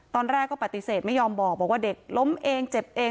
ตอนแรกก็ปฏิเสธไม่ยอมบอกว่าเด็กล้มเองเจ็บเอง